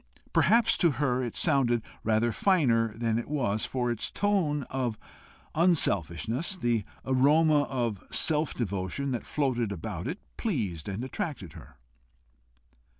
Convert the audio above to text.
Perhaps to her it sounded rather finer than it was, for its tone of unselfishness, the aroma of self devotion that floated about it, pleased and attracted her.